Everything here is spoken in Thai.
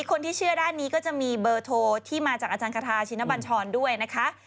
คนที่เชื่อด้านนี้ก็จะมีเบอร์โทรที่มาจากอาจารย์คาทาชินบัญชรด้วยนะคะ